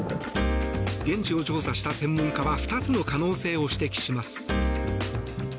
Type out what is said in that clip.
現地を調査した専門家は２つの可能性を指摘します。